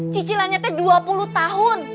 cicilannya dua puluh tahun